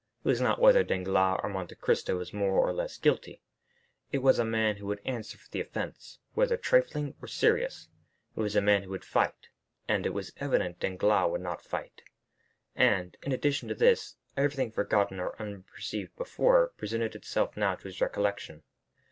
It was not whether Danglars or Monte Cristo was more or less guilty; it was a man who would answer for the offence, whether trifling or serious; it was a man who would fight, and it was evident Danglars would not fight. In addition to this, everything forgotten or unperceived before presented itself now to his recollection.